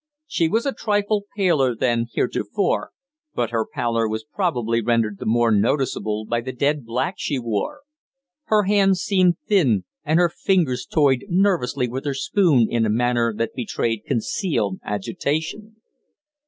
She was a trifle paler than heretofore, but her pallor was probably rendered the more noticeable by the dead black she wore. Her hands seemed thin, and her fingers toyed nervously with her spoon in a manner that betrayed concealed agitation.